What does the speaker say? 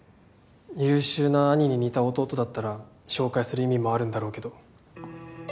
優秀な兄に似た弟だったら紹介する意味もあるんだろうけど。